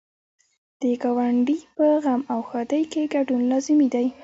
د ګاونډي په غم او ښادۍ کې ګډون لازمي دی.